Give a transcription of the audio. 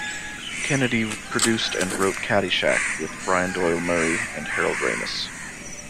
Kenney produced and wrote "Caddyshack" with Brian Doyle-Murray and Harold Ramis.